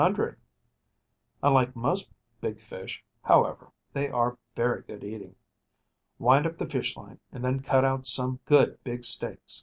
Unlike most big fish, however, they are very good eating. Wind up the fish line, and then cut out some good big steaks.